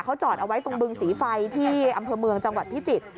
เขาจอดเอาไว้ตรงบึงสีไฟที่อำเภอเมืองจังหวัดพิจิตร